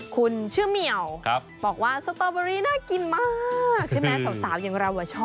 คุณชื่อเหมียวบอกว่าสตอเบอรี่น่ากินมากใช่ไหมสาวอย่างเราชอบ